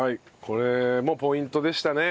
これもポイントでしたね。